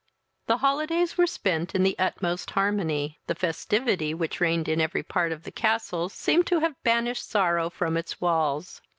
The holidays were spent in the utmost harmony; the festivity which reigned in every part of the castle seemed to have banished sorrow from its walls.